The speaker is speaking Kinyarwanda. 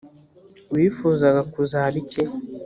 wifuzaga kuzaba iki